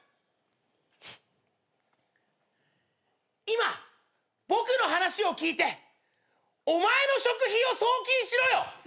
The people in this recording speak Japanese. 今僕の話を聞いて「お前の食費を送金しろよ」